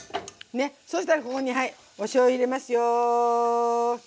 ねそしたらここにはいおしょうゆ入れますよ。